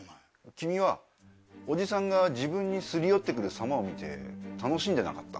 君はおじさんが自分に擦り寄って来るさまを見て楽しんでなかった？